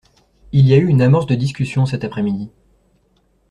Il y a eu une amorce de discussion cet après-midi.